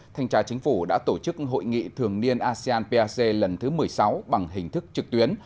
thanh tra chính phủ đã tổ chức hội nghị thường niên asean pac lần thứ một mươi sáu bằng hình thức trực tuyến